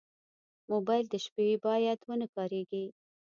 موبایل د شپې باید ونه کارېږي.